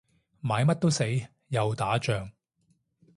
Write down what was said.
買乜都死，又打仗